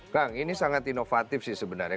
kang ini sangat inovatif sih sebenarnya